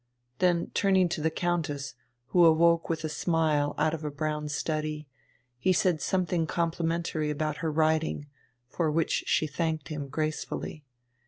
Then turning to the Countess, who awoke with a smile out of a brown study, he said something complimentary about her riding, for which she thanked him gracefully.